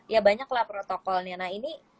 ya banyaklah protokolnya nah ini